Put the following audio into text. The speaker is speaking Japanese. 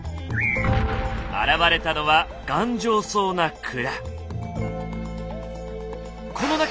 現れたのは頑丈そうな蔵。